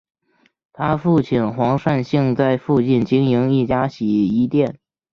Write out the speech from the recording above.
她父亲黄善兴在附近经营一家洗衣店。